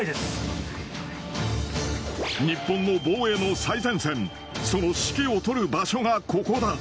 日本の防衛の最前線、その指揮を執る場所がここだ。